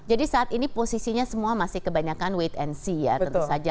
jadi saat ini posisinya semua masih kebanyakan wait and see ya tentu saja